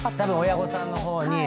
親御さんの方に。